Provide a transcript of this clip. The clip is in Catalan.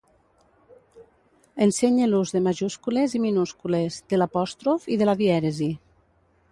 Ensenye l’ús de majúscules i minúscules, de l’apòstrof i de la dièresi.